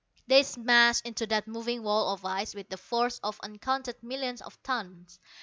They smashed into that moving wall of ice with the force of uncounted millions of tons.